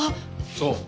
そう。